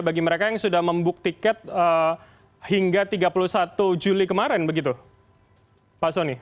bagi mereka yang sudah membuk tiket hingga tiga puluh satu juli kemarin begitu pak soni